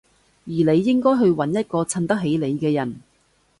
而你應該去搵一個襯得起你嘅人